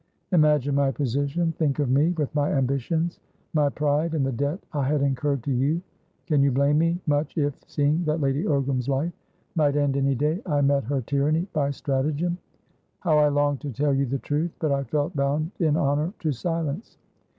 Imagine my position. Think of me, with my ambitions, my pride, and the debt I had incurred to you. Can you blame me much if, seeing that Lady Ogram's life might end any day, I met her tyranny by stratagem. How I longed to tell you the truth! But I felt bound in honour to silence.